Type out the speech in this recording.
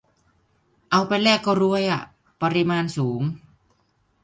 เอาไปแลกก็รวยอะ ปริมาณสูง